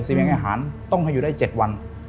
เวียงอาหารต้องให้อยู่ได้๗วัน